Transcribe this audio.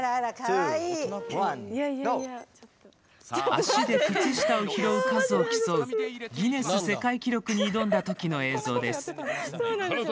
足で靴下を拾う数を競うギネス世界記録に挑んだときの映像です。